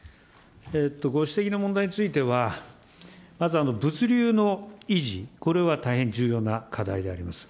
ご指摘の問題については、まず物流の維持、これは大変重要な課題であります。